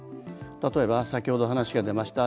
例えば先ほど話が出ました